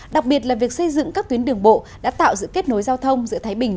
đặc biệt là việc xây dựng các tuyến đường bộ đã tạo sự kết nối giao thông giữa thái bình